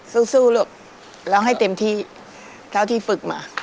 สู้ลูกร้องให้เต็มที่เท่าที่ฝึกมา